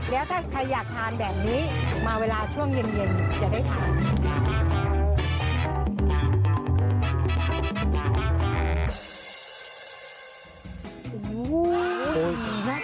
แล้วถ้าใครอยากทานแบบนี้มาเวลาช่วงเย็นจะได้ทาน